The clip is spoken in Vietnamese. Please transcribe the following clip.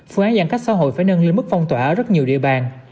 phương án giãn cách xã hội phải nâng lên mức phong tỏa ở rất nhiều địa bàn